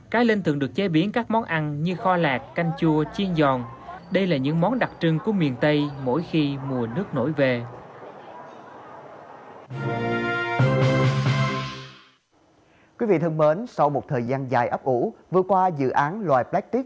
cá linh thường được chế biến các món ăn như kho lạc canh chua chiên giòn đây là những món đặc trưng của miền tây mỗi khi mùa nước nổi về